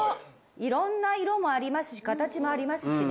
いろんな色もありますし形もありますしね。